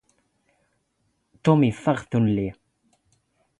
ⵜⵓⵎ ⵉⴼⴼⵖ ⵜ ⵓⵏⵏⵍⵉ.